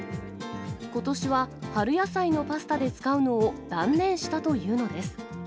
ことしは春野菜のパスタで使うのを断念したというのです。